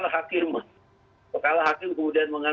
depon hering itu menghentikan perkara untuk tidak dibawa ke perumahan